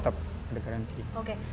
ada garansi tetep